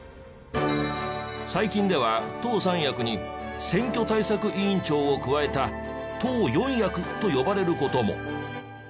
最近では党三役に選挙対策委員長を加えた党四役と呼ばれる事も。